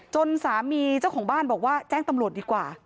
สามีเจ้าของบ้านบอกว่าแจ้งตำรวจดีกว่า